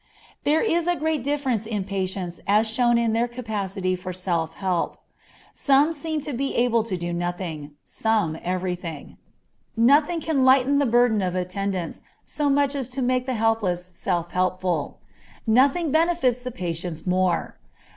There is great difference in patients as shown in their capacity for self help. Some seem to be able to do nothing, some everything. Nothing can lighten the burdens of attendants so much as to make the helpless self helpful. Nothing benefits the patients more.